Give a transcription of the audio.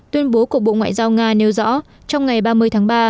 tuyên bố của bộ ngoại giao nga nêu rõ trong ngày ba mươi tháng ba